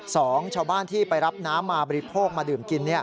สองชาวบ้านที่ไปรับน้ำมาบริโภคมาดื่มกิน